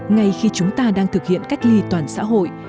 ngay khi chúng ta đang thực hiện cách ly toàn xã hội